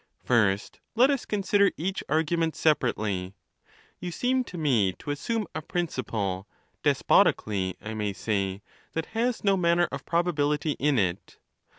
First, let us consider each argument separately. You seem to me to assume a principle, despotically I may say, that has no manner of probability in it.